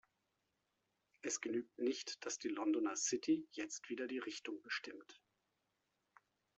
Es genügt nicht, dass die Londoner City jetzt wieder die Richtung bestimmt.